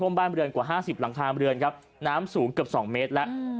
ความบ้านเรือนกว่าห้าสิบหลังทางบริเวณครับน้ำสูงเกือบสองเมตรแล้ว